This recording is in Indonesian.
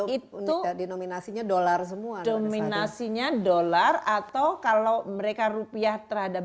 itu dan itu denominasi nya dollar semua dominasi nya dollar atau kalau mereka rupiah terhadap